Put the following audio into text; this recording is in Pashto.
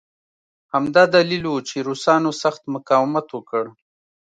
همدا دلیل و چې روسانو سخت مقاومت وکړ